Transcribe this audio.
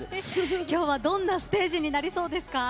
今日は、どんなステージになりそうですか？